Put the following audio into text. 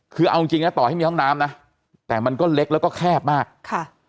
คือเอาจริงจริงนะต่อให้มีห้องน้ำนะแต่มันก็เล็กแล้วก็แคบมากค่ะ